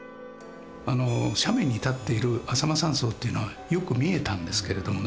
あの斜面に建っているあさま山荘っていうのはよく見えたんですけれどもね